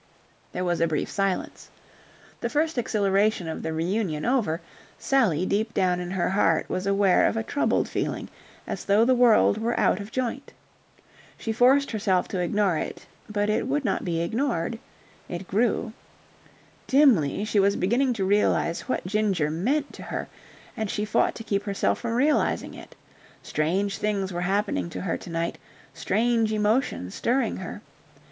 There was a brief silence. The first exhilaration of the reunion over, Sally deep down in her heart was aware of a troubled feeling as though the world were out of joint. She forced herself to ignore it, but it would not be ignored. It grew. Dimly she was beginning to realize what Ginger meant to her, and she fought to keep herself from realizing it. Strange things were happening to her to night, strange emotions stirring her.